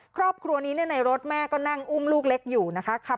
ครอบครัวนี้ในรถแม่ก็นั่งอุ้มลูกเล็กอยู่นะคะ